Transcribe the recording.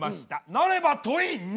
なれば問２。